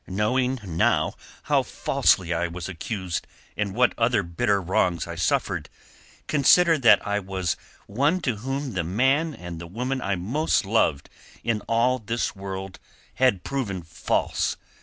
Knowing now how falsely I was accused and what other bitter wrongs I suffered, consider that I was one to whom the man and the woman I most loved in all this world had proven false.